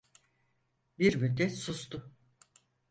Bir müddet sustu.